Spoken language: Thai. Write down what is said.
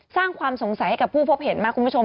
สร้างความสงสัยให้กับผู้พบเห็นมากคุณผู้ชม